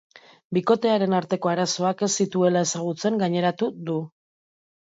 Bikotearen arteko arazoak ez zituela ezagutzen gaineratu du.